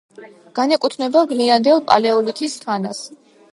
განეკუთვნება გვიანდელ პალეოლითის ხანას.